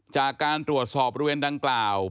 จากการตรวจสอบบริเวณดังกล่าว